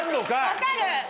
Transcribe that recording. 分かる！